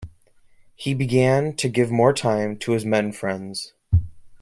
He began to give more time to his men friends.